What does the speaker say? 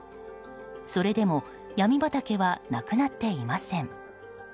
それでもヤミ畑はなくなっていません。